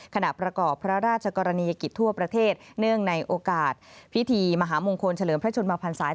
ขณะประกอบพระราชกรณียกิจทั่วประเทศเนื่องในโอกาสพิธีมหามงคลเฉลิมพระชนมพันศา